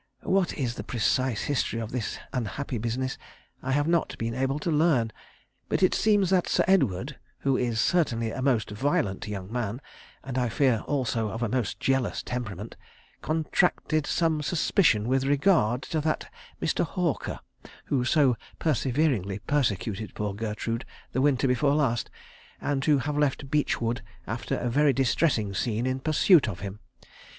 What is the precise history of this unhappy business I have not been able to learn; but it seems that Sir Edward, who is certainly a most violent young man, and I fear also of a most jealous temperament, contracted some suspicion with regard to that Mr. Hawker who so perseveringly persecuted poor Gertrude the winter before last, and to have left Beechwood, after a very distressing scene, in pursuit of him.